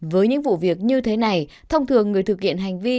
với những vụ việc như thế này thông thường người thực hiện hành vi